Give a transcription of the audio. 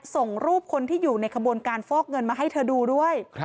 ส่งรูปคนที่อยู่ในขบวนการฟอกเงินมาให้เธอดูด้วย